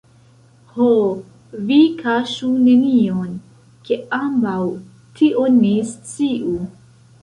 Ho, vi kaŝu nenion, ke ambaŭ tion ni sciu.